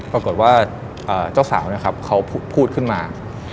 ปรากฏว่าเจ้าสาวนะครับเขาพูดขึ้นมา